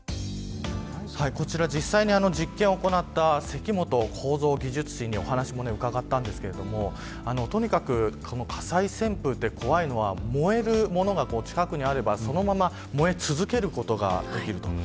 こちら実際に実験を行った関本孝三技術士にお話を伺ったんですがとにかく、火災旋風で怖いのは燃えるものが近くにあればそのまま燃え続けることができる。